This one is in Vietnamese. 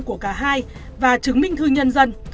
của cả hai và chứng minh thư nhân dân